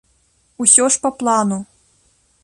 Усё ж па плану.